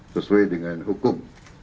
sesuai dengan hukum